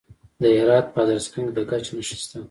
د هرات په ادرسکن کې د ګچ نښې شته.